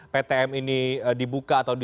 ptm ini dibuka atau